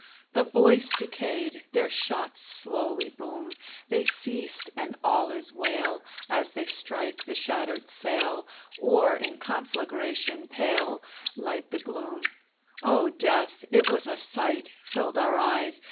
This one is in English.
The voice decayed, their shots Slowly boom. They ceased and all is wail, As they strike the shattered sail, Or in conflagration pale Light the gloom. Oh death! it was a sight Filled our eyes!